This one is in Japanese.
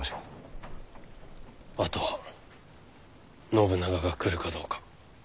あとは信長が来るかどうか。